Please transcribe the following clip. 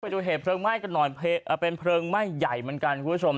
ดูเหตุเพลิงไหม้กันหน่อยเป็นเพลิงไหม้ใหญ่เหมือนกันคุณผู้ชม